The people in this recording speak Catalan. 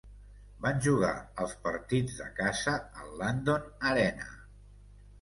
Van jugar els partits de casa al Landon Arena.